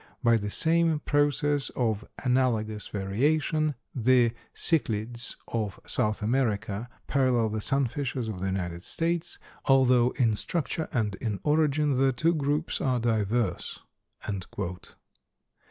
By the same process of 'analogous variation' the cichlids of South America parallel the sunfishes of the United States, although in structure and in origin the two groups are diverse."